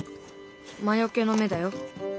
魔よけの目だよ。